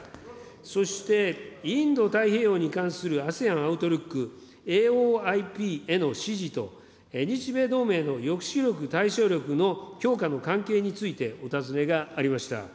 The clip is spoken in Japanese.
そしてインド太平洋に関するＡＳＥＡＮアウトルック・ＡＯＩＰへの支持と、日米同盟の抑止力、対処力の強化の関係についてお尋ねがありました。